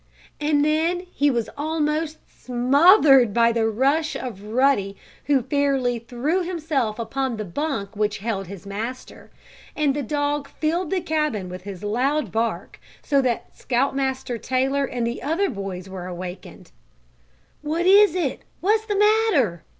And then he was almost smothered by the rush of Ruddy, who fairly threw himself upon the bunk which held his master, and the dog filled the cabin with his loud bark, so that Scout Master Taylor and the other boys were awakened. "What is it? What's the matter?"